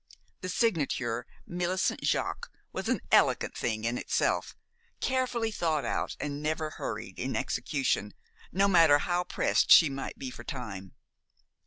The signature, "Millicent Jaques," was an elegant thing in itself, carefully thought out and never hurried in execution, no matter how pressed she might be for time.